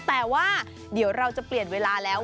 แต่ว่าเดี๋ยวเราจะเปลี่ยนเวลาแล้ว